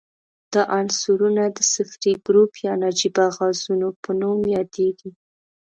دا عنصرونه د صفري ګروپ یا نجیبه غازونو په نوم یادیږي.